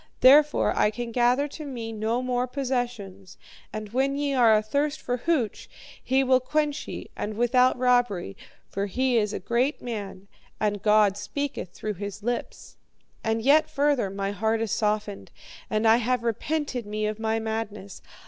Therefore, I can gather to me no more possessions, and when ye are athirst for hooch, he will quench ye and without robbery. For he is a great man, and God speaketh through his lips. "'And yet further, my heart is softened, and I have repented me of my madness.